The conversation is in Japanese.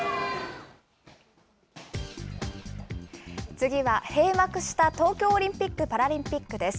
次は、閉幕した東京オリンピック・パラリンピックです。